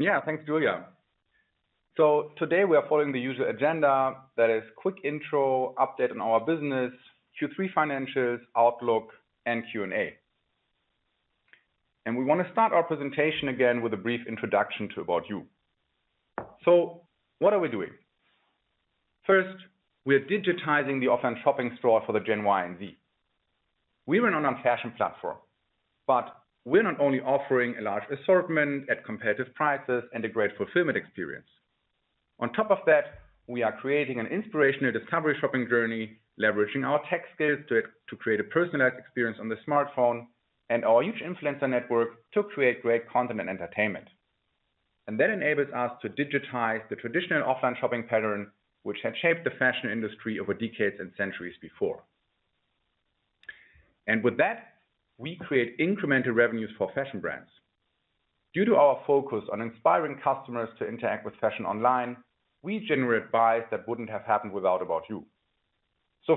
Yeah. Thanks, Julia. Today we are following the usual agenda that is quick intro, update on our business, Q3 financials, outlook, and Q&A. We want to start our presentation again with a brief introduction to ABOUT YOU. What are we doing? First, we're digitizing the offline shopping store for the Gen Y and Z. We run an online fashion platform, but we're not only offering a large assortment at competitive prices and a great fulfillment experience. On top of that, we are creating an inspirational discovery shopping journey, leveraging our tech skills to create a personalized experience on the smartphone and our huge influencer network to create great content and entertainment. That enables us to digitize the traditional offline shopping pattern, which had shaped the fashion industry over decades and centuries before. With that, we create incremental revenues for fashion brands. Due to our focus on inspiring customers to interact with fashion online, we generate buys that wouldn't have happened without ABOUT YOU.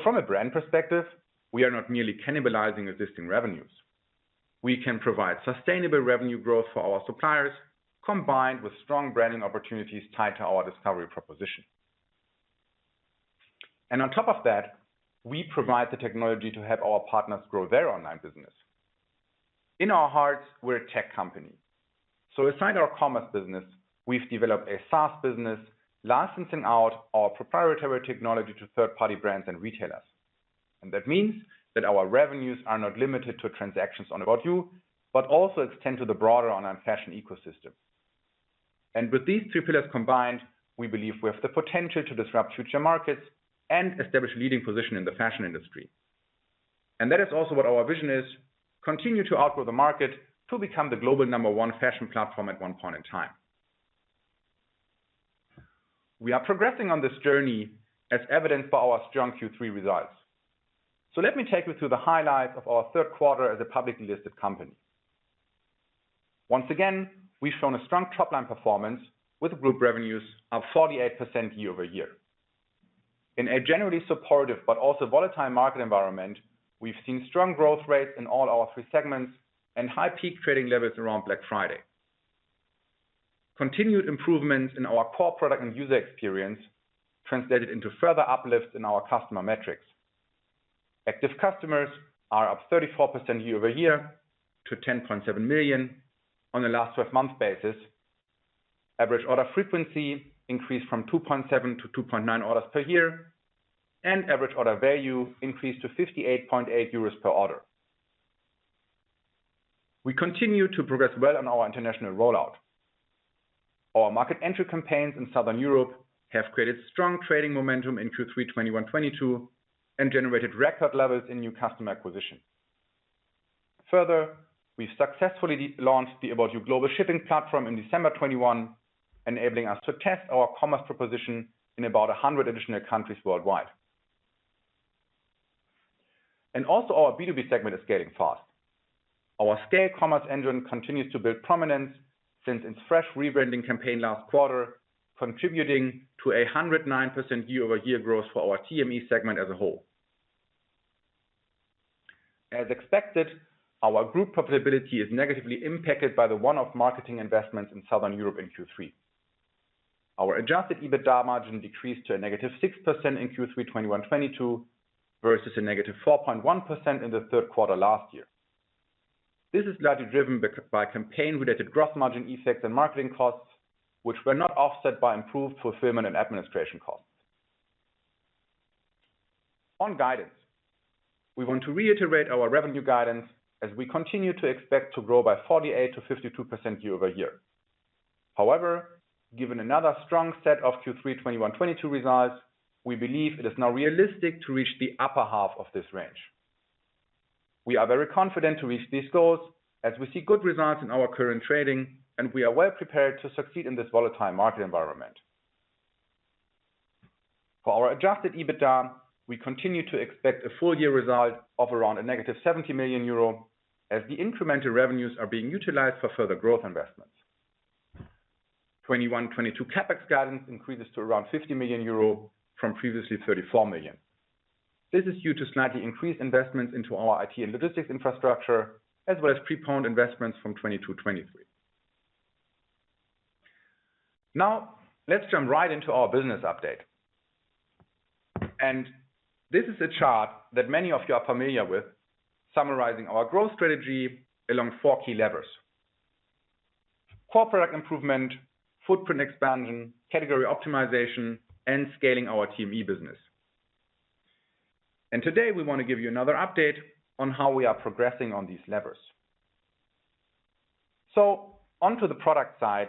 From a brand perspective, we are not merely cannibalizing existing revenues. We can provide sustainable revenue growth for our suppliers, combined with strong branding opportunities tied to our discovery proposition. On top of that, we provide the technology to help our partners grow their online business. In our hearts, we're a tech company. Aside from our commerce business, we've developed a SaaS business licensing out our proprietary technology to third-party brands and retailers. That means that our revenues are not limited to transactions on ABOUT YOU, but also extend to the broader online fashion ecosystem. With these three pillars combined, we believe we have the potential to disrupt future markets and establish leading position in the fashion industry. That is also what our vision is, continue to outgrow the market to become the global number 1 fashion platform at one point in time. We are progressing on this journey as evidenced by our strong Q3 results. Let me take you through the highlights of our third quarter as a publicly listed company. Once again, we've shown a strong top line performance with group revenues of 48% year-over-year. In a generally supportive but also volatile market environment, we've seen strong growth rates in all our three segments and high peak trading levels around Black Friday. Continued improvements in our core product and user experience translated into further uplift in our customer metrics. Active customers are up 34% year-over-year to 10.7 million on a last 12-month basis. Average order frequency increased from 2.7-2.9 orders per year, and average order value increased to 58.8 euros per order. We continue to progress well on our international rollout. Our market entry campaigns in Southern Europe have created strong trading momentum in Q3 2021/2022 and generated record levels in new customer acquisition. Further, we successfully launched the ABOUT YOU Global Shipping Platform in December 2021, enabling us to test our commerce proposition in about 100 additional countries worldwide. Our B2B segment is scaling fast. Our SCAYLE Commerce Engine continues to build prominence since its fresh rebranding campaign last quarter, contributing to 109% year-over-year growth for our TME segment as a whole. As expected, our group profitability is negatively impacted by the one-off marketing investments in Southern Europe in Q3. Our adjusted EBITDA margin decreased to -6% in Q3 2021/2022 versus -4.1% in the third quarter last year. This is largely driven by campaign-related gross margin effects and marketing costs, which were not offset by improved fulfillment and administration costs. On guidance, we want to reiterate our revenue guidance as we continue to expect to grow by 48%-52% year-over-year. However, given another strong set of Q3 2021/2022 results, we believe it is now realistic to reach the upper half of this range. We are very confident to reach these goals as we see good results in our current trading, and we are well prepared to succeed in this volatile market environment. For our adjusted EBITDA, we continue to expect a full year result of around -70 million euro as the incremental revenues are being utilized for further growth investments. 2021, 2022 CapEx guidance increases to around 50 million euro from previously 34 million. This is due to slightly increased investments into our IT and logistics infrastructure as well as pre-phased investments from 2022, 2023. Now let's jump right into our business update. This is a chart that many of you are familiar with summarizing our growth strategy along four key levers, core product improvement, footprint expanding, category optimization, and scaling our TME business. Today, we wanna give you another update on how we are progressing on these levers. Onto the product side,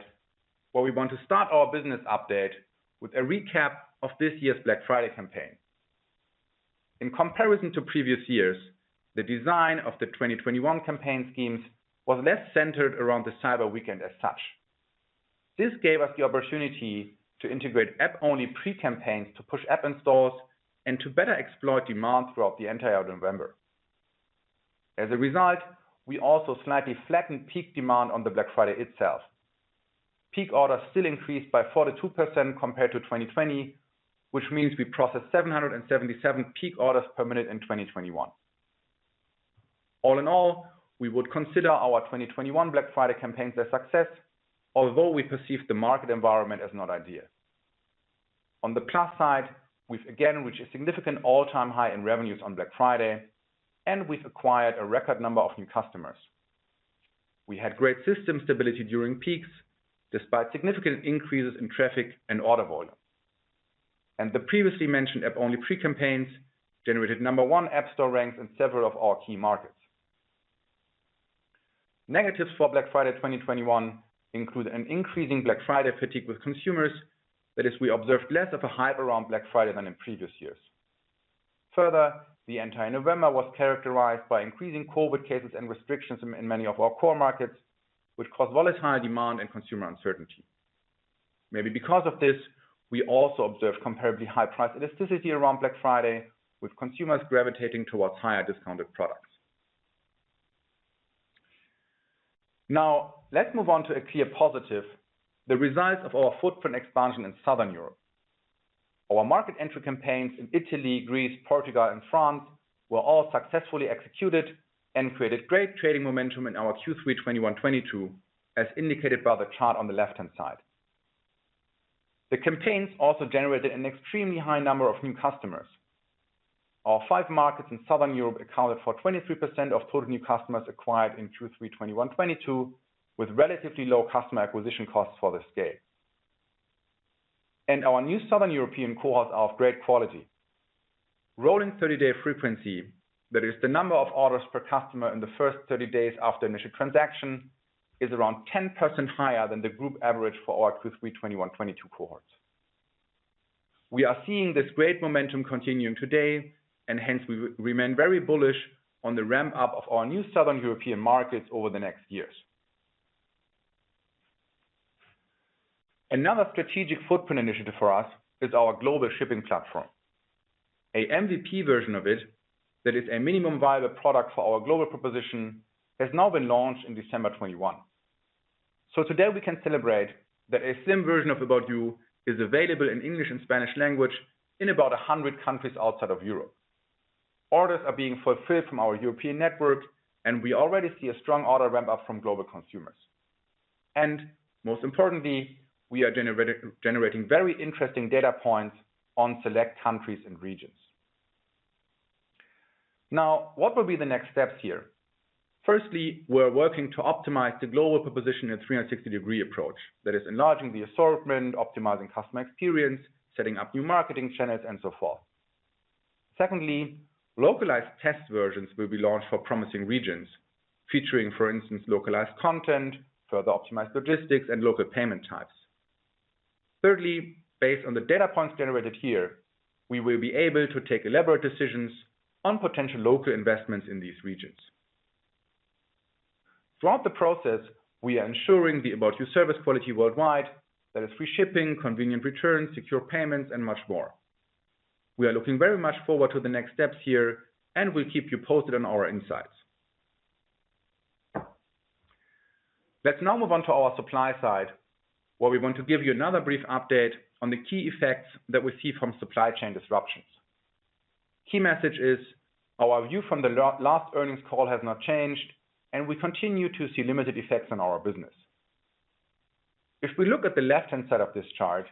where we want to start our business update with a recap of this year's Black Friday campaign. In comparison to previous years, the design of the 2021 campaign schemes was less centered around the Cyber Weekend as such. This gave us the opportunity to integrate app-only pre-campaigns to push app installs and to better explore demand throughout the entire November. As a result, we also slightly flattened peak demand on the Black Friday itself. Peak orders still increased by 42% compared to 2020, which means we processed 777 peak orders per minute in 2021. All in all, we would consider our 2021 Black Friday campaigns a success, although we perceive the market environment as not ideal. On the plus side, we've again reached a significant all-time high in revenues on Black Friday, and we've acquired a record number of new customers. We had great system stability during peaks, despite significant increases in traffic and order volume. The previously mentioned app-only pre-campaigns generated number one app store ranks in several of our key markets. Negatives for Black Friday 2021 include an increasing Black Friday fatigue with consumers, that is we observed less of a hype around Black Friday than in previous years. Further, the entire November was characterized by increasing COVID cases and restrictions in many of our core markets, which caused volatile demand and consumer uncertainty. Maybe because of this, we also observed comparatively high price elasticity around Black Friday, with consumers gravitating towards higher discounted products. Now, let's move on to a clear positive, the results of our footprint expansion in Southern Europe. Our market entry campaigns in Italy, Greece, Portugal, and France were all successfully executed and created great trading momentum in our Q3 2021/2022, as indicated by the chart on the left-hand side. The campaigns also generated an extremely high number of new customers. Our five markets in Southern Europe accounted for 23% of total new customers acquired in Q3 2021/2022, with relatively low customer acquisition costs for this SCAYLE. Our new Southern European cohort are of great quality. Rolling 30-day frequency, that is the number of orders per customer in the first 30 days after initial transaction, is around 10% higher than the group average for our Q3 2021/2022 cohorts. We are seeing this great momentum continuing today, and hence we remain very bullish on the ramp-up of our new Southern European markets over the next years. Another strategic footprint initiative for us is our Global Shipping Platform. A MVP version of it that is a minimum viable product for our global proposition has now been launched in December 2021. Today we can celebrate that a slim version of ABOUT YOU is available in English and Spanish language in about 100 countries outside of Europe. Orders are being fulfilled from our European network, and we already see a strong order ramp up from global consumers. Most importantly, we are generating very interesting data points on select countries and regions. Now, what will be the next steps here? Firstly, we're working to optimize the global proposition in a 360-degree approach. That is enlarging the assortment, optimizing customer experience, setting up new marketing channels, and so forth. Secondly, localized test versions will be launched for promising regions, featuring, for instance, localized content, further optimized logistics, and local payment types. Thirdly, based on the data points generated here, we will be able to take elaborate decisions on potential local investments in these regions. Throughout the process, we are ensuring the ABOUT YOU service quality worldwide. That is free shipping, convenient returns, secure payments, and much more. We are looking very much forward to the next steps here, and we'll keep you posted on our insights. Let's now move on to our supply side, where we want to give you another brief update on the key effects that we see from supply chain disruptions. Key message is our view from the last earnings call has not changed, and we continue to see limited effects on our business. If we look at the left-hand side of this chart,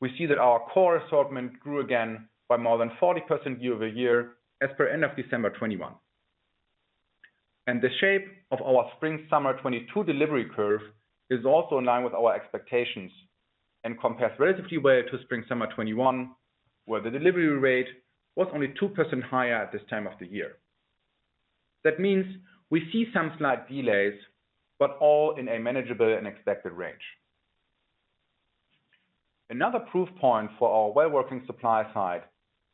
we see that our core assortment grew again by more than 40% year-over-year as per end of December 2021. The shape of our Spring/Summer 2022 delivery curve is also in line with our expectations and compares relatively well to Spring/Summer 2021, where the delivery rate was only 2% higher at this time of the year. That means we see some slight delays, but all in a manageable and expected range. Another proof point for our well-working supply side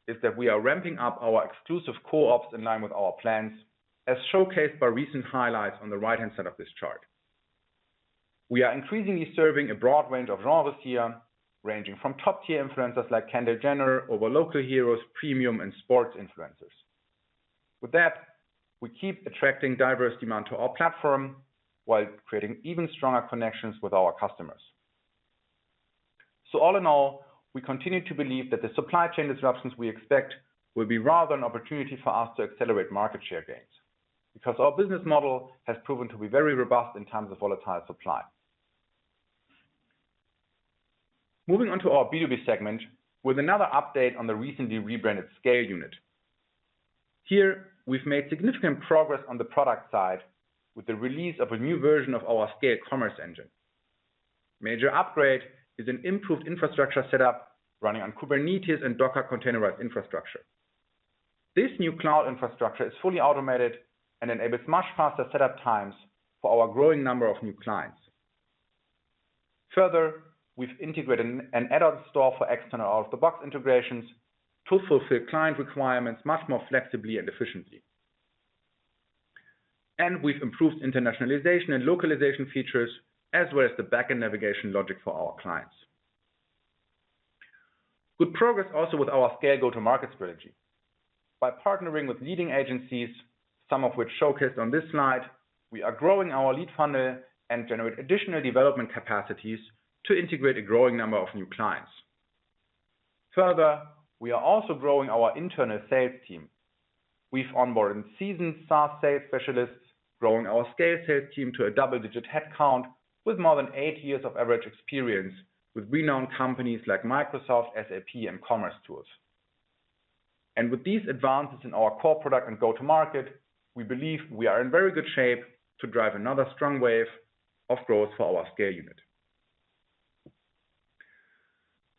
is that we are ramping up our exclusive co-ops in line with our plans, as showcased by recent highlights on the right-hand side of this chart. We are increasingly serving a broad range of genres here, ranging from top-tier influencers like Kendall Jenner over local heroes, premium, and sports influencers. With that, we keep attracting diverse demand to our platform while creating even stronger connections with our customers. All in all, we continue to believe that the supply chain disruptions we expect will be rather an opportunity for us to accelerate market share gains, because our business model has proven to be very robust in times of volatile supply. Moving on to our B2B segment with another update on the recently rebranded SCAYLE unit. Here, we've made significant progress on the product side with the release of a new version of our SCAYLE Commerce Engine. Major upgrade is an improved infrastructure setup running on Kubernetes and Docker containerized infrastructure. This new cloud infrastructure is fully automated and enables much faster setup times for our growing number of new clients. Further, we've integrated an add-on store for external out-of-the-box integrations to fulfill client requirements much more flexibly and efficiently. We've improved internationalization and localization features, as well as the back-end navigation logic for our clients. Good progress also with our SCAYLE go-to-market strategy. By partnering with leading agencies, some of which showcased on this slide, we are growing our lead funnel and generate additional development capacities to integrate a growing number of new clients. Further, we are also growing our internal sales team. We've onboarded seasoned SaaS sales specialists, growing our SCAYLE sales team to a double-digit headcount with more than eight years of average experience with renowned companies like Microsoft, SAP, and commercetools. With these advances in our core product and go-to-market, we believe we are in very good shape to drive another strong wave of growth for our SCAYLE unit.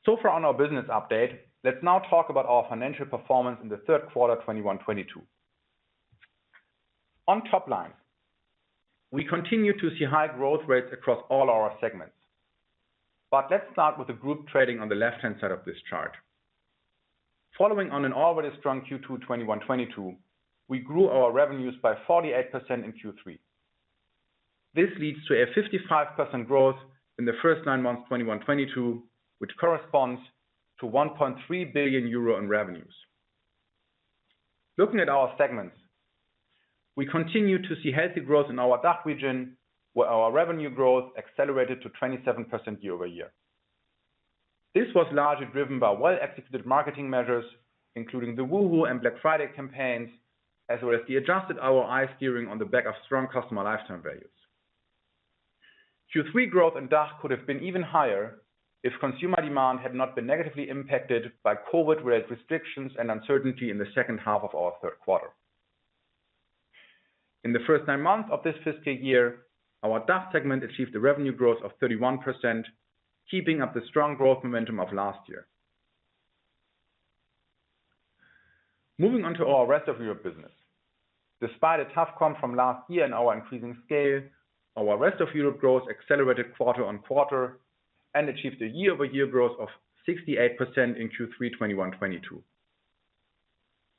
So far on our business update, let's now talk about our financial performance in the third quarter of 2021/2022. On top line, we continue to see high growth rates across all our segments. Let's start with the group trading on the left-hand side of this chart. Following on an already strong Q2 2021/2022, we grew our revenues by 48% in Q3. This leads to a 55% growth in the first nine months 2021/2022, which corresponds to 1.3 billion euro in revenues. Looking at our segments, we continue to see healthy growth in our DACH region, where our revenue growth accelerated to 27% year-over-year. This was largely driven by well-executed marketing measures, including the WOOHOO and Black Friday campaigns, as well as the adjusted ROI steering on the back of strong customer lifetime values. Q3 growth in DACH could have been even higher if consumer demand had not been negatively impacted by COVID-related restrictions and uncertainty in the second half of our third quarter. In the first nine months of this fiscal year, our DACH segment achieved a revenue growth of 31%, keeping up the strong growth momentum of last year. Moving on to our Rest of Europe business. Despite a tough comp from last year and our increasing SCAYLE, our Rest of Europe growth accelerated quarter-on-quarter and achieved a year-over-year growth of 68% in Q3 2021/2022.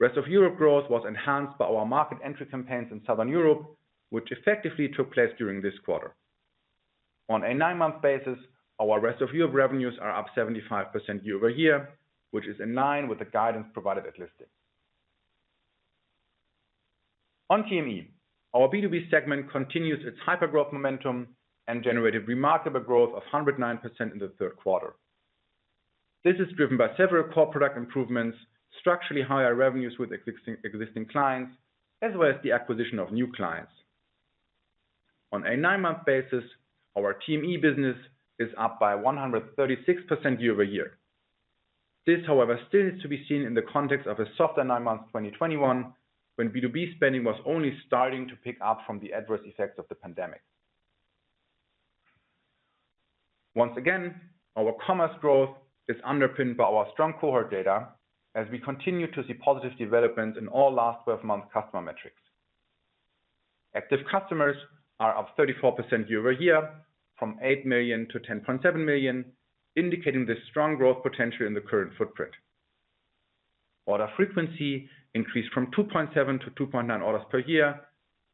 Rest of Europe growth was enhanced by our market entry campaigns in Southern Europe, which effectively took place during this quarter. On a nine-month basis, our Rest of Europe revenues are up 75% year-over-year, which is in line with the guidance provided at listing. On TME, our B2B segment continues its hyper-growth momentum and generated remarkable growth of 109% in the third quarter. This is driven by several core product improvements, structurally higher revenues with existing clients, as well as the acquisition of new clients. On a nine-month basis, our TME business is up by 136% year over year. This, however, still is to be seen in the context of a softer nine months 2021, when B2B spending was only starting to pick up from the adverse effects of the pandemic. Once again, our commerce growth is underpinned by our strong cohort data as we continue to see positive development in all last 12-month customer metrics. Active customers are up 34% year-over-year from 8 million-10.7 million, indicating the strong growth potential in the current footprint. Order frequency increased from 2.7-2.9 orders per year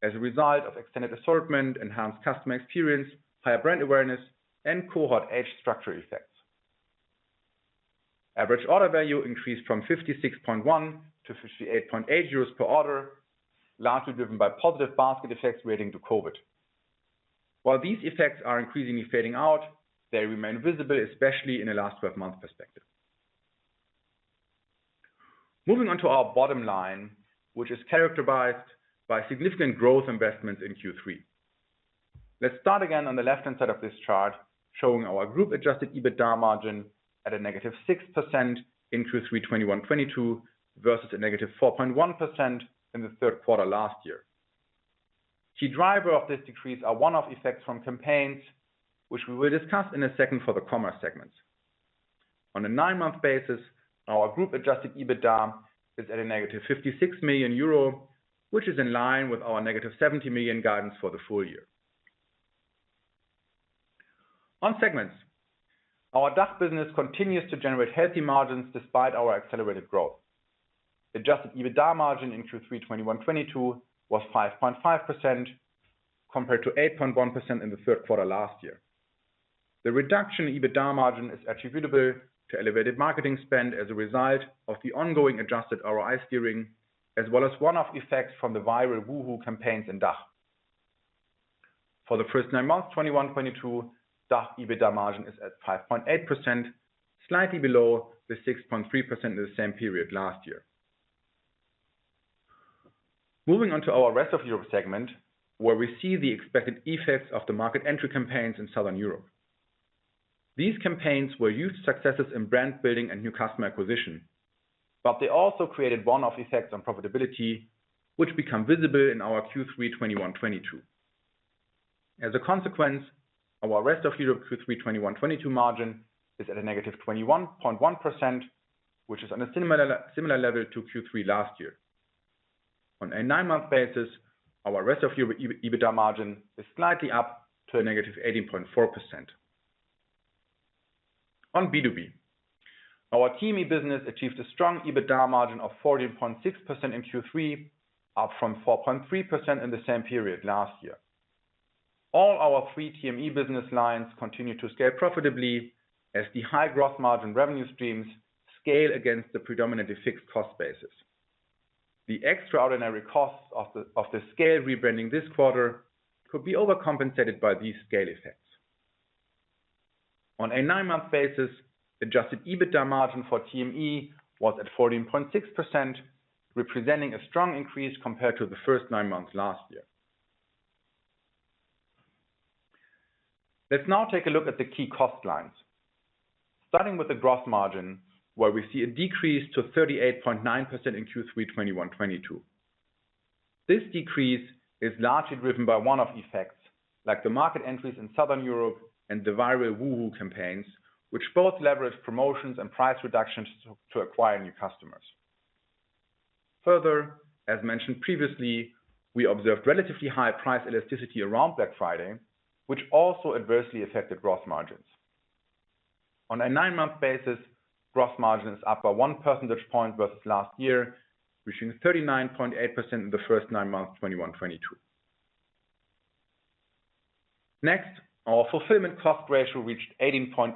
as a result of extended assortment, enhanced customer experience, higher brand awareness, and cohort age structure effects. Average order value increased from 56.1-58.8 euros per order, largely driven by positive basket effects relating to COVID. While these effects are increasingly fading out, they remain visible, especially in a last 12-month perspective. Moving on to our bottom line, which is characterized by significant growth investments in Q3. Let's start again on the left-hand side of this chart, showing our group adjusted EBITDA margin at -6% in Q3 2021/2022 versus -4.1% in the third quarter last year. Key driver of this decrease are one-off effects from campaigns which we will discuss in a second for the commerce segments. On a nine-month basis, our group adjusted EBITDA is at a -56 million euro, which is in line with our -70 million guidance for the full year. On segments, our DACH business continues to generate healthy margins despite our accelerated growth. Adjusted EBITDA margin in Q3 2021/2022 was 5.5% compared to 8.1% in the third quarter last year. The reduction in EBITDA margin is attributable to elevated marketing spend as a result of the ongoing adjusted ROI steering, as well as one-off effects from the viral WOOHOO campaigns in DACH. For the first nine months, 2021/2022, DACH EBITDA margin is at 5.8%, slightly below the 6.3% in the same period last year. Moving on to our Rest of Europe segment, where we see the expected effects of the market entry campaigns in Southern Europe. These campaigns were huge successes in brand building and new customer acquisition, but they also created one-off effects on profitability which become visible in our Q3 2021/2022. As a consequence, our Rest of Europe Q3 2021/2022 margin is at a -21.1%, which is on a similar level to Q3 last year. On a nine-month basis, our Rest of Europe EBITDA margin is slightly up to a -18.4%. On B2B, our TME business achieved a strong EBITDA margin of 14.6% in Q3, up from 4.3% in the same period last year. All our three TME business lines continue to scale profitably as the high gross margin revenue streams scale against the predominantly fixed cost basis. The extraordinary costs of the SCAYLE rebranding this quarter could be overcompensated by these scale effects. On a nine-month basis, adjusted EBITDA margin for TME was at 14.6%, representing a strong increase compared to the first nine months last year. Let's now take a look at the key cost lines. Starting with the gross margin, where we see a decrease to 38.9% in Q3 2021/2022. This decrease is largely driven by one-off effects like the market entries in Southern Europe and the viral WOOHOO campaigns, which both leverage promotions and price reductions to acquire new customers. Further, as mentioned previously, we observed relatively high price elasticity around Black Friday, which also adversely affected gross margins. On a nine-month basis, gross margin is up by one percentage point versus last year, reaching 39.8% in the first nine months of 2021/2022. Next, our fulfillment cost ratio reached 18.8%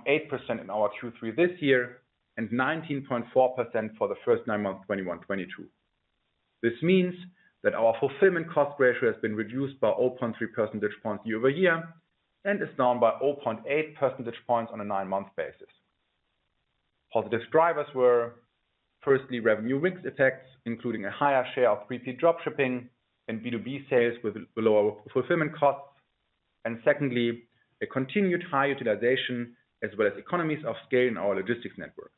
in our Q3 this year, and 19.4% for the first nine months of 2021/2022. This means that our fulfillment cost ratio has been reduced by 0.3 percentage points year-over-year, and is down by 0.8 percentage points on a nine-month basis. Positive drivers were firstly, revenue mix effects, including a higher share of pre-paid dropshipping and B2B sales with lower fulfillment costs. Secondly, a continued high utilization as well as economies of SCAYLE in our logistics network.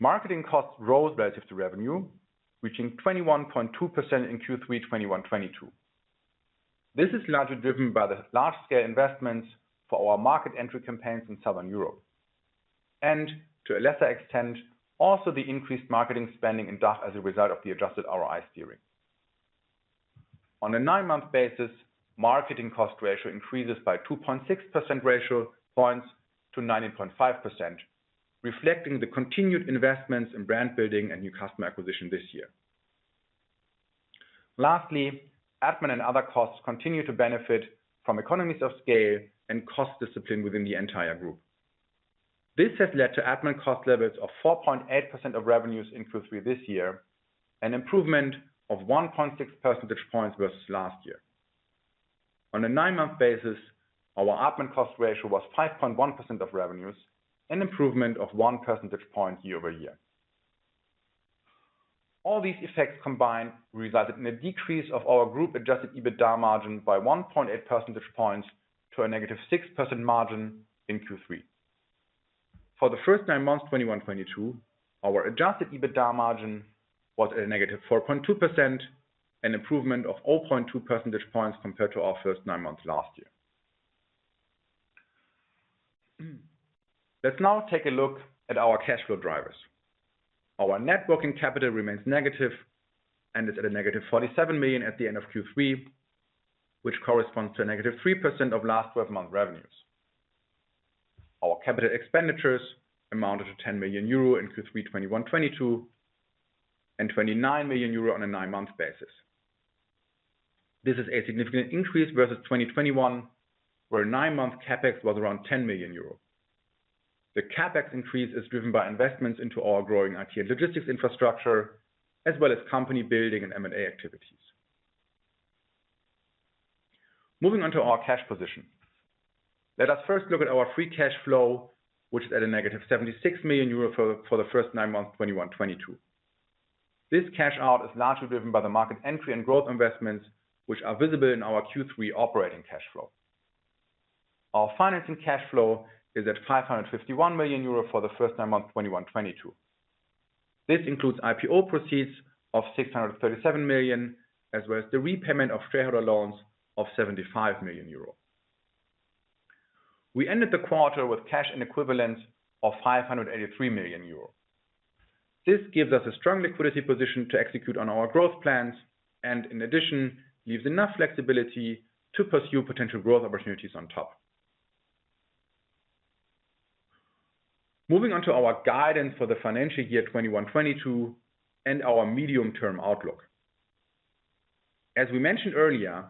Marketing costs rose relative to revenue, reaching 21.2% in Q3 2021/2022. This is largely driven by the large SCAYLE investments for our market entry campaigns in Southern Europe, and to a lesser extent, also the increased marketing spending in DACH as a result of the adjusted ROI steering. On a nine-month basis, marketing cost ratio increases by 2.6 percentage points to 19.5%, reflecting the continued investments in brand building and new customer acquisition this year. Lastly, admin and other costs continue to benefit from economies of SCAYLE and cost discipline within the entire group. This has led to admin cost levels of 4.8% of revenues in Q3 this year, an improvement of 1.6 percentage points versus last year. On a nine-month basis, our admin cost ratio was 5.1% of revenues, an improvement of one percentage point year-over-year. All these effects combined resulted in a decrease of our group adjusted EBITDA margin by 1.8 percentage points to a -6% margin in Q3. For the first nine months 2021/2022, our adjusted EBITDA margin was -4.2%, an improvement of 0.2 percentage points compared to our first nine months last year. Let's now take a look at our cash flow drivers. Our net working capital remains negative and is at -47 million at the end of Q3, which corresponds to -3% of last 12-month revenues. Our capital expenditures amounted to 10 million euro in Q3 2021/2022, and 29 million euro on a nine-month basis. This is a significant increase versus 2021, where nine-month CapEx was around 10 million euros. The CapEx increase is driven by investments into our growing IT and logistics infrastructure, as well as company building and M&A activities. Moving on to our cash position. Let us first look at our free cash flow, which is at -76 million euro for the first nine months 2021/2022. This cash out is largely driven by the market entry and growth investments which are visible in our Q3 operating cash flow. Our financing cash flow is at 551 million euro for the first nine months 2021/2022. This includes IPO proceeds of 637 million, as well as the repayment of shareholder loans of 75 million euro. We ended the quarter with cash and equivalents of 583 million euro. This gives us a strong liquidity position to execute on our growth plans, and in addition, leaves enough flexibility to pursue potential growth opportunities on top. Moving on to our guidance for the financial year 2021/2022, and our medium-term outlook. As we mentioned earlier,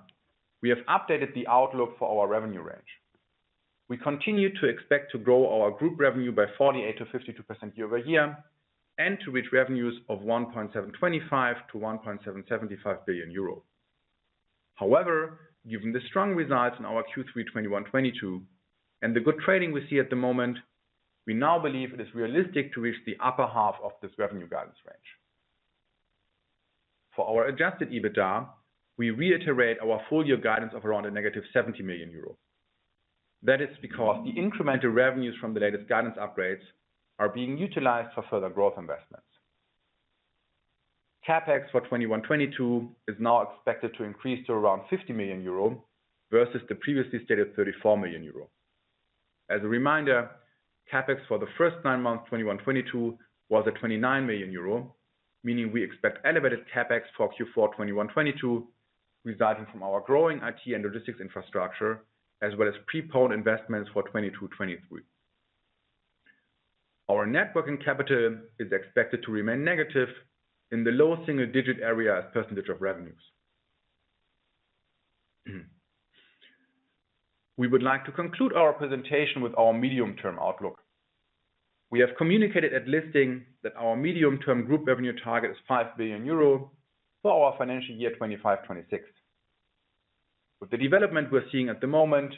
we have updated the outlook for our revenue range. We continue to expect to grow our group revenue by 48%-52% year-over-year, and to reach revenues of 1.725 billion-1.775 billion euro. However, given the strong results in our Q3 2021/2022 and the good trading we see at the moment, we now believe it is realistic to reach the upper half of this revenue guidance range. For our adjusted EBITDA, we reiterate our full year guidance of around -70 million euro. That is because the incremental revenues from the latest guidance upgrades are being utilized for further growth investments. CapEx for 2021/2022 is now expected to increase to around 50 million euro versus the previously stated 34 million euro. As a reminder, CapEx for the first nine months, 2021/2022, was at 29 million euro, meaning we expect elevated CapEx for Q4 2021/2022, resulting from our growing IT and logistics infrastructure, as well as pre-phased investments for 2022/2023. Our net working capital is expected to remain negative in the low single-digit area as percentage of revenues. We would like to conclude our presentation with our medium-term outlook. We have communicated at listing that our medium-term group revenue target is 5 billion euro for our financial year 2025/2026. With the development we're seeing at the moment,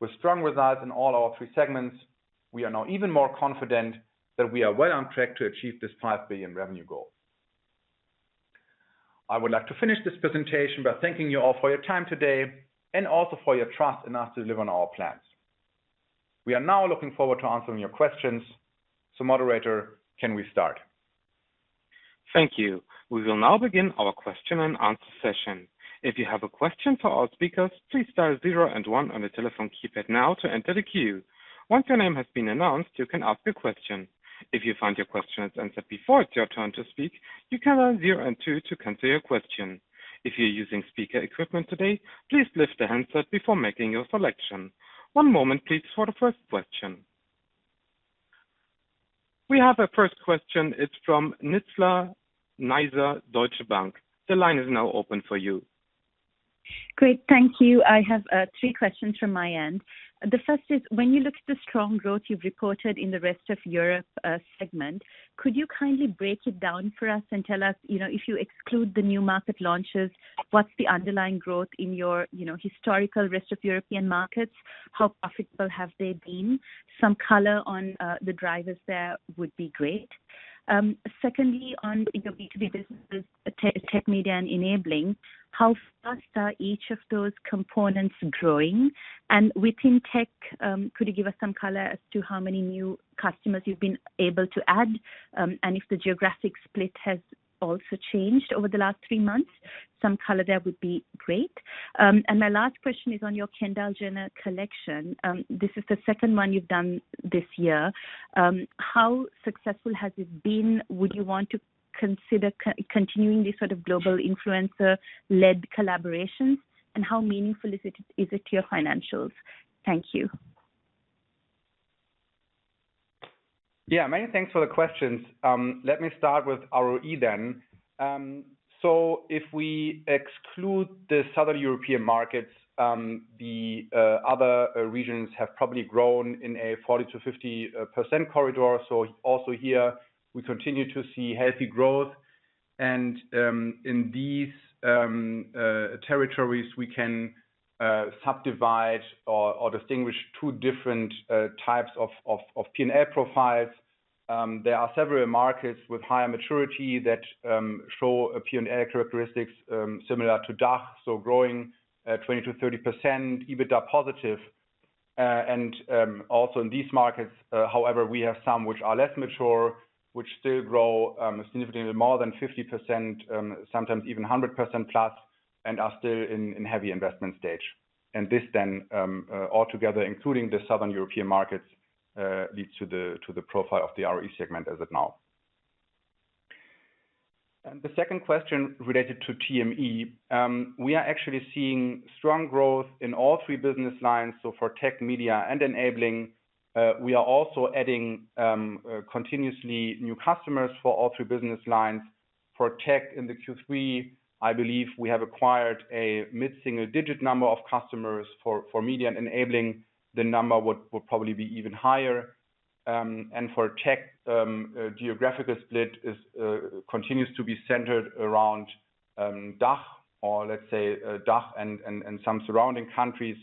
with strong results in all our three segments, we are now even more confident that we are well on track to achieve this 5 billion revenue goal. I would like to finish this presentation by thanking you all for your time today and also for your trust in us to deliver on our plans. We are now looking forward to answering your questions. Moderator, can we start? Thank you. We will now begin our Q&A session. If you have a question for our speakers, please dial zero and one on your telephone keypad now to enter the queue. Once your name has been announced, you can ask your question. If you find your question is answered before it's your turn to speak, you can dial zero and two to cancel your question. If you're using speaker equipment today, please lift the handset before making your selection. One moment, please, for the first question. We have a first question. It's from Nizla Naizer, Deutsche Bank. The line is now open for you. Great, thank you. I have three questions from my end. The first is when you look at the strong growth you've reported in the Rest of Europe segment, could you kindly break it down for us and tell us, you know, if you exclude the new market launches, what's the underlying growth in your, you know, historical Rest of Europe markets? How profitable have they been? Some color on the drivers there would be great. Secondly, on your B2B businesses, Tech, Media, Enabling, how fast are each of those components growing? Within Tech, could you give us some color as to how many new customers you've been able to add, and if the geographic split has also changed over the last three months, some color there would be great. My last question is on your Kendall Jenner collection. This is the second one you've done this year. How successful has it been? Would you want to consider continuing this sort of global influencer-led collaborations, and how meaningful is it to your financials? Thank you. Yeah, many thanks for the questions. Let me start with ROE then. If we exclude the Southern European markets, the other regions have probably grown in a 40%-50% corridor. So also here we continue to see healthy growth. In these territories, we can subdivide or distinguish two different types of P&L profiles. There are several markets with higher maturity that show a P&L characteristics similar to DACH, so growing 20%-30% EBITDA positive. Also in these markets, however, we have some which are less mature, which still grow significantly more than 50%, sometimes even 100%+, and are still in heavy investment stage. This then altogether, including the Southern European markets, leads to the profile of the ROE segment as of now. The second question related to TME. We are actually seeing strong growth in all three business lines. For Tech, Media, and Enabling, we are also adding continuously new customers for all three business lines. For Tech in the Q3, I believe we have acquired a mid-single-digit number of customers. For Media and Enabling, the number would probably be even higher. For Tech, geographical split continues to be centered around DACH or let's say DACH and some surrounding countries.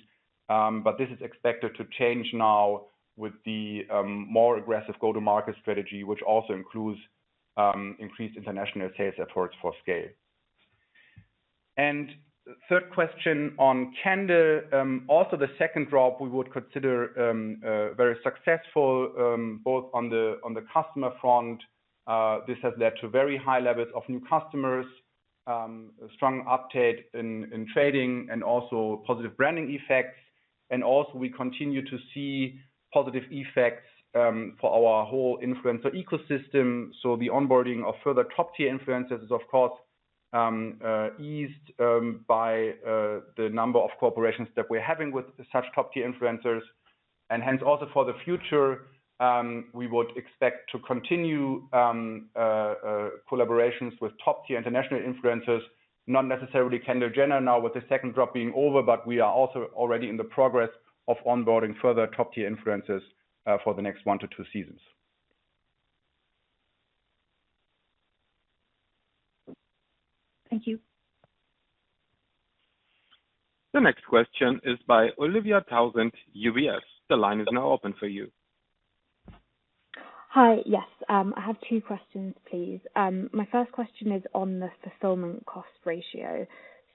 This is expected to change now with the more aggressive go-to-market strategy, which also includes increased international sales efforts for SCAYLE. Third question on Kendall. Also the second drop we would consider very successful both on the customer front. This has led to very high levels of new customers, strong uptake in trading and also positive branding effects. Also we continue to see positive effects for our whole influencer ecosystem. The onboarding of further top-tier influencers is of course eased by the number of collaborations that we're having with such top-tier influencers. Hence also for the future, we would expect to continue collaborations with top-tier international influencers, not necessarily Kendall Jenner now with the second drop being over. We are also already in the process of onboarding further top-tier influencers for the next one to two seasons. Thank you. The next question is by Olivia Townsend, UBS. The line is now open for you. Hi. Yes. I have two questions, please. My first question is on the fulfillment cost ratio.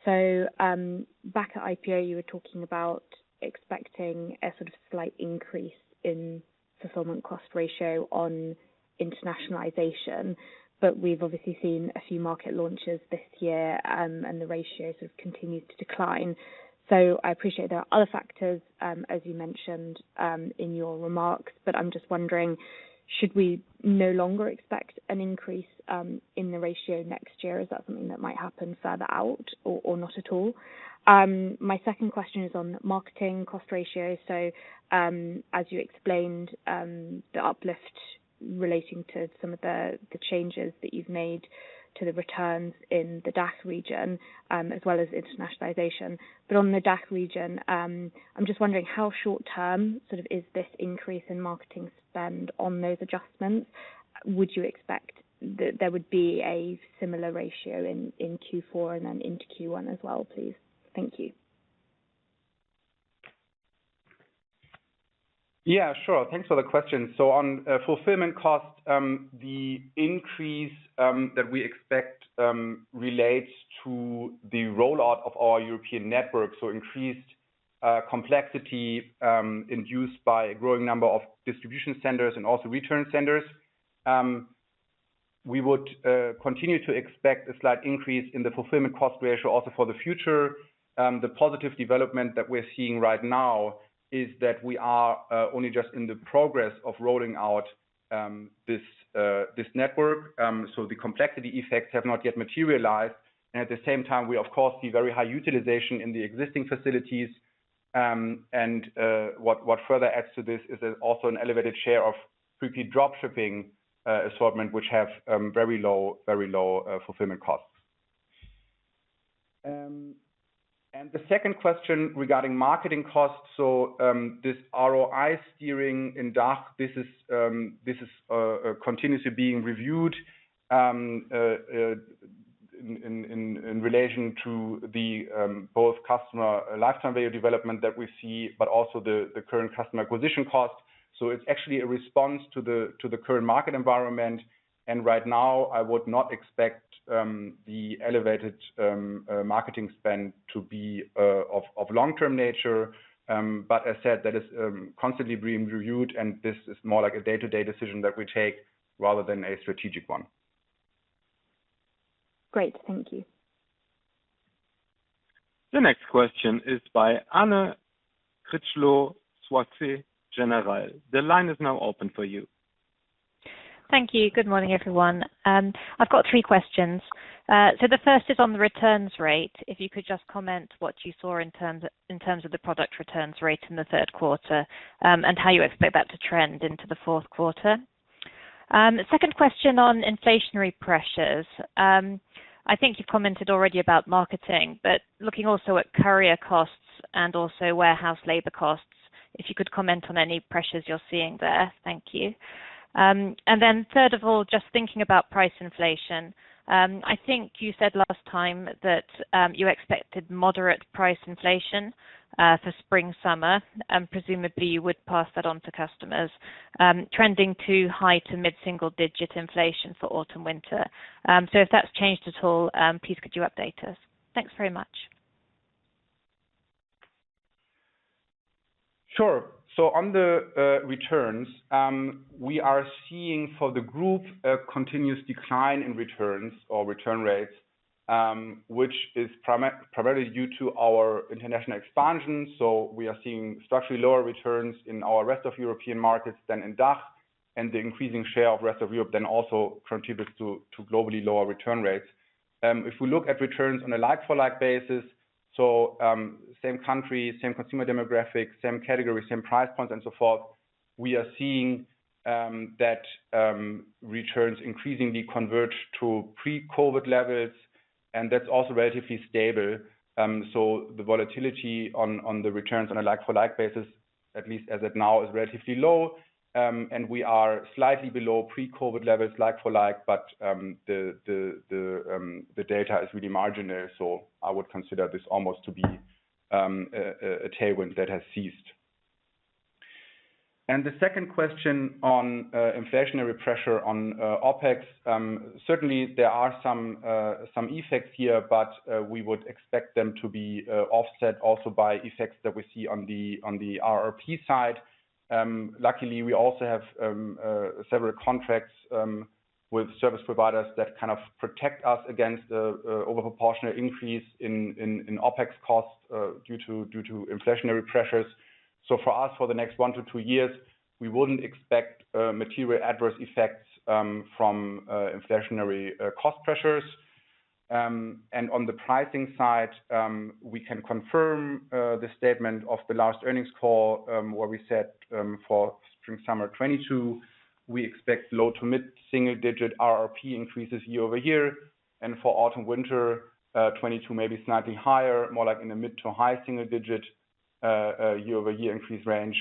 Back at IPO, you were talking about expecting a sort of slight increase in fulfillment cost ratio on internationalization. We've obviously seen a few market launches this year, and the ratio sort of continues to decline. I appreciate there are other factors, as you mentioned, in your remarks, but I'm just wondering, should we no longer expect an increase in the ratio next year? Is that something that might happen further out or not at all? My second question is on marketing cost ratio. As you explained, the uplift relating to some of the changes that you've made to the returns in the DACH region, as well as internationalization. On the DACH region, I'm just wondering how short-term sort of is this increase in marketing spend on those adjustments? Would you expect that there would be a similar ratio in Q4 and then into Q1 as well, please? Thank you. Yeah, sure. Thanks for the question. On fulfillment costs, the increase that we expect relates to the rollout of our European network, increased complexity induced by a growing number of distribution centers and also return centers. We would continue to expect a slight increase in the fulfillment cost ratio also for the future. The positive development that we're seeing right now is that we are only just in the progress of rolling out this network, so the complexity effects have not yet materialized. At the same time, we of course see very high utilization in the existing facilities. What further adds to this is there's also an elevated share of pre-paid dropshipping assortment, which have very low fulfillment costs. The second question regarding marketing costs. This ROI steering in DACH is continuously being reviewed in relation to both customer lifetime value development that we see but also the current customer acquisition cost. It's actually a response to the current market environment. Right now, I would not expect the elevated marketing spend to be of long-term nature. As said, that is constantly being reviewed, and this is more like a day-to-day decision that we take rather than a strategic one. Great. Thank you. The next question is by Anne Critchlow, Société Générale. The line is now open for you. Thank you. Good morning, everyone. I've got three questions. The first is on the returns rate. If you could just comment what you saw in terms of the product returns rate in the third quarter, and how you expect that to trend into the fourth quarter. Second question on inflationary pressures. I think you commented already about marketing, but looking also at courier costs and also warehouse labor costs, if you could comment on any pressures you're seeing there. Thank you. Third of all, just thinking about price inflation, I think you said last time that you expected moderate price inflation for Spring/Summer, and presumably you would pass that on to customers, trending to high to mid-single digit inflation for Autumn/Winter. If that's changed at all, please could you update us? Thanks very much. Sure. On the returns, we are seeing for the group a continuous decline in returns or return rates, which is primarily due to our international expansion. We are seeing structurally lower returns in our Rest of European markets than in DACH, and the increasing share of Rest of Europe then also contributes to globally lower return rates. If we look at returns on a like for like basis, same country, same consumer demographics, same category, same price point and so forth, we are seeing that returns increasingly converge to pre-COVID levels, and that's also relatively stable. The volatility on the returns on a like for like basis, at least as of now, is relatively low. We are slightly below pre-COVID levels like for like, but the data is really marginal, so I would consider this almost to be a tailwind that has ceased. The second question on inflationary pressure on OpEx. Certainly there are some effects here, but we would expect them to be offset also by effects that we see on the RRP side. Luckily, we also have several contracts with service providers that kind of protect us against the overproportionate increase in OpEx costs due to inflationary pressures. For us, for the next one to two years, we wouldn't expect material adverse effects from inflationary cost pressures. On the pricing side, we can confirm the statement of the last earnings call, where we said, for Spring/Summer 2022, we expect low to mid-single digit RRP increases year-over-year. For Autumn/Winter 2022, maybe slightly higher, more like in the mid to high single digit year-over-year increase range.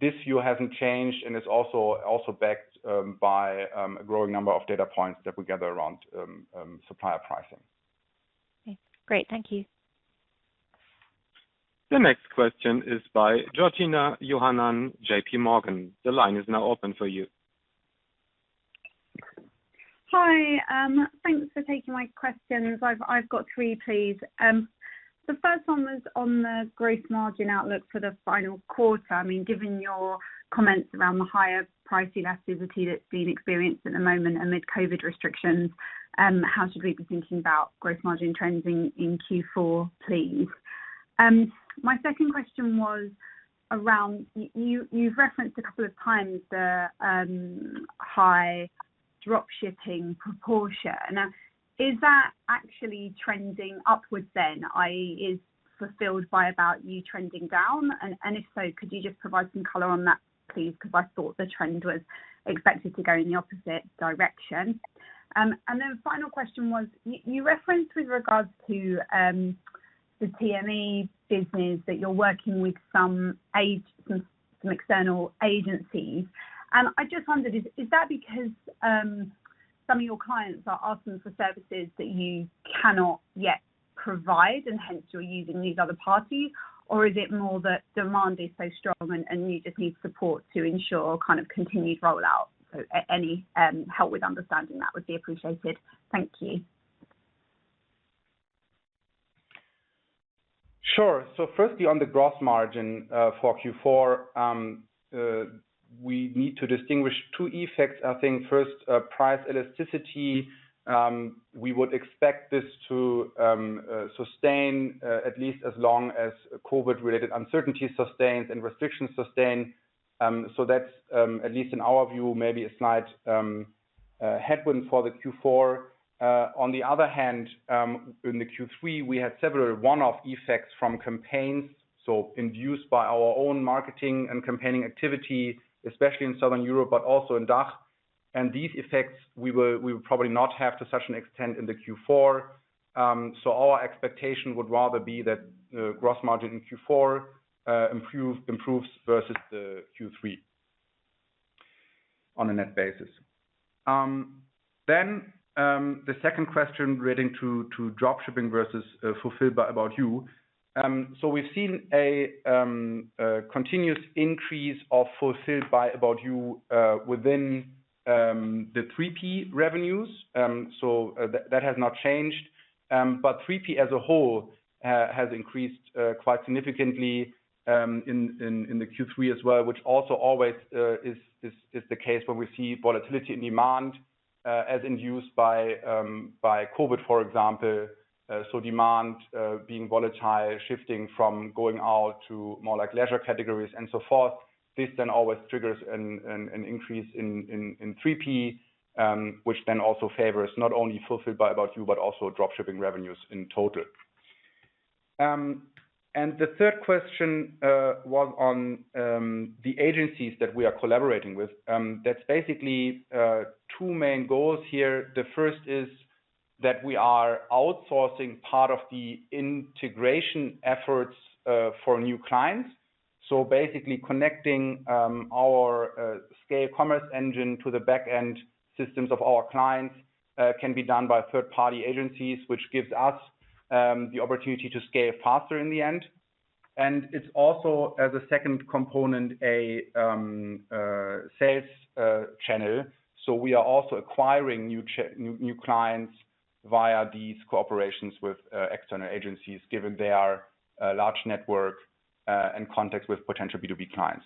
This view hasn't changed, and it's also backed by a growing number of data points that we gather around supplier pricing. Okay. Great. Thank you. The next question is by Georgina Johanan, JPMorgan. The line is now open for you. Hi. Thanks for taking my questions. I've got three, please. The first one was on the growth margin outlook for the final quarter. I mean, given your comments around the higher price elasticity that's been experienced at the moment amid COVID restrictions, how should we be thinking about growth margin trends in Q4, please? My second question was around you've referenced a couple of times the high dropshipping proportion. Now, is that actually trending upwards then, i.e., is Fulfilled by ABOUT YOU trending down? And if so, could you just provide some color on that, please? 'Cause I thought the trend was expected to go in the opposite direction. Final question was, you referenced with regards to the TME business that you're working with some external agencies, and I just wondered, is that because some of your clients are asking for services that you cannot yet provide and hence you're using these other parties? Or is it more that demand is so strong and you just need support to ensure kind of continued rollout? Any help with understanding that would be appreciated. Thank you. Sure. Firstly, on the gross margin, for Q4, we need to distinguish two effects, I think. First, price elasticity, we would expect this to sustain, at least as long as COVID-related uncertainty sustains and restrictions sustain. That's at least in our view, maybe a slight headwind for the Q4. On the other hand, in the Q3, we had several one-off effects from campaigns, so induced by our own marketing and campaigning activity, especially in Southern Europe but also in DACH. These effects we will probably not have to such an extent in the Q4. Our expectation would rather be that gross margin in Q4 improves versus the Q3 on a net basis. The second question relating to drop shipping versus Fulfilled by ABOUT YOU. We've seen a continuous increase of Fulfilled by ABOUT YOU within the 3P revenues. That has not changed. 3P as a whole has increased quite significantly in the Q3 as well, which also always is the case when we see volatility in demand as induced by COVID, for example, demand being volatile, shifting from going out to more like leisure categories and so forth. This then always triggers an increase in 3P, which then also favors not only Fulfilled by ABOUT YOU, but also dropshipping revenues in total. The third question was on the agencies that we are collaborating with. That's basically two main goals here. The first is that we are outsourcing part of the integration efforts for new clients. So basically connecting our SCAYLE Commerce Engine to the back-end systems of our clients can be done by third-party agencies, which gives us the opportunity to scale faster in the end. It's also, as a second component, a sales channel. So we are also acquiring new clients via these cooperations with external agencies, given they are a large network in context with potential B2B clients.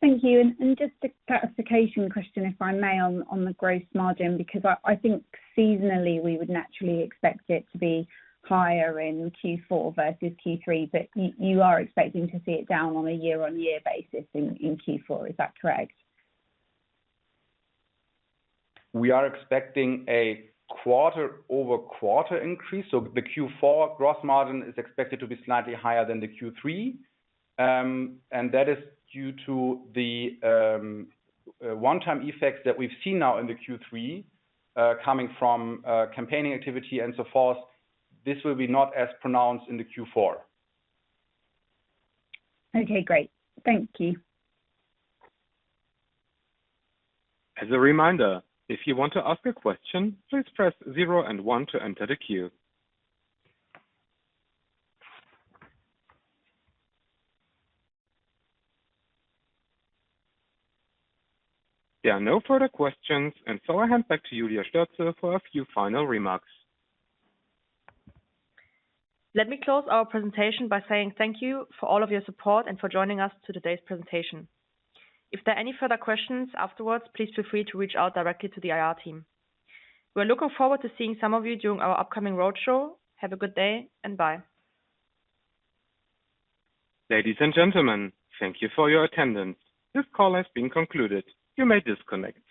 Thank you. Just a clarification question, if I may, on the gross margin, because I think seasonally we would naturally expect it to be higher in Q4 versus Q3, but you are expecting to see it down on a year-on-year basis in Q4. Is that correct? We are expecting a quarter-over-quarter increase. The Q4 gross margin is expected to be slightly higher than the Q3. That is due to the one-time effects that we've seen now in the Q3 coming from campaigning activity and so forth. This will be not as pronounced in the Q4. Okay, great. Thank you. As a reminder, if you want to ask a question, please press zero and one to enter the queue. There are no further questions, and so I hand back to Julia Stoetzel for a few final remarks. Let me close our presentation by saying thank you for all of your support and for joining us to today's presentation. If there are any further questions afterwards, please feel free to reach out directly to the IR team. We're looking forward to seeing some of you during our upcoming roadshow. Have a good day and bye. Ladies and gentlemen, thank you for your attendance. This call has been concluded. You may disconnect.